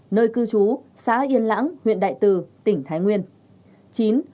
nơi cư trú xã yên lãng huyện đại từ tỉnh thái nguyên